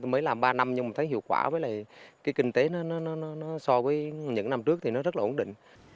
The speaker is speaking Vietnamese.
mới làm ba năm nhưng thấy hiệu quả với kinh tế so với những năm trước thì rất là ổn định